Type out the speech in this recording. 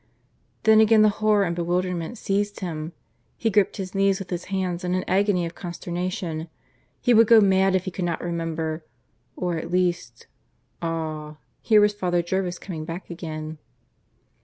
Then again the horror and bewilderment seized him. He gripped his knees with his hands in an agony of consternation. He would go mad if he could not remember. Or at least Ah! here was Father Jervis coming back again.